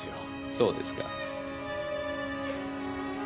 そうですか。